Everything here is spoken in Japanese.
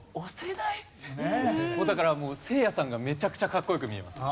だからせいやさんがめちゃくちゃかっこよく見えます。